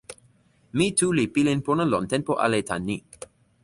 mi tu li pilin pona lon tenpo ale tan ni.